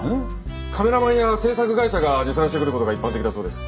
カメラマンや制作会社が持参してくることが一般的だそうです。